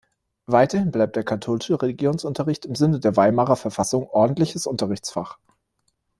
Weiterhin bleibt der katholische Religionsunterricht im Sinne der Weimarer Verfassung ordentliches Unterrichtsfach.